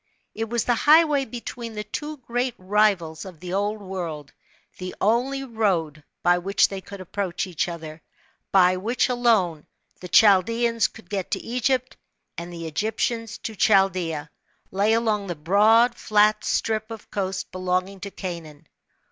It was the highway between the two great rivals of the Old World ; the only road by which the} could approach each other, by which alone, the Chaldeans could get to Egypt, and the Egyp tians to Chaldea, lay along the broad flat strip of coast belonging to Canaan.